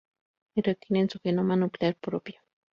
Y, retienen su genoma nuclear propio.